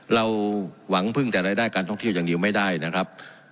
เราหวังพึ่งแต่รายได้การท่องเที่ยวอย่างเดียวไม่ได้นะครับ